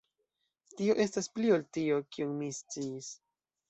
Tio estas pli ol tio, kion mi sciis.